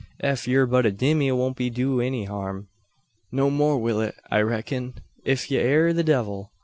Ef ye're but a dummy it won't do ye any harm. No more will it, I reckun, ef ye air the devil.